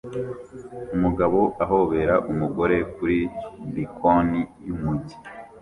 Umugabo ahobera umugore kuri bkoni yumujyi